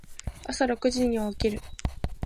朝六時に起きる。